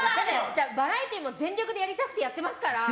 バラエティーも全力でやりたくてやってますから。